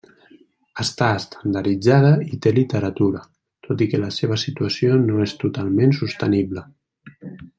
Està estandarditzada i té literatura, tot i que la seva situació no és totalment sostenible.